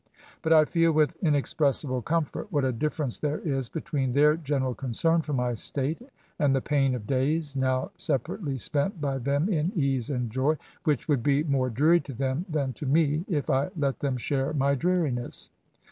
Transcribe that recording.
But I feel with inexpressible comfort what a difference there is between their general concern for my state, and the pain of days, now separately spent by them in ease and joy, which would be more dreary to them than to me, if I let them share my dreariness.